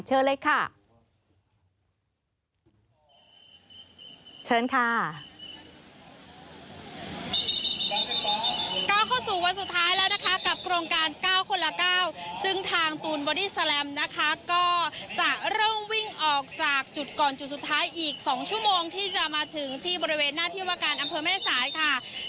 เชิญเลยค่ะ